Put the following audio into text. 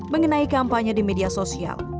mengenai kampanye di media sosial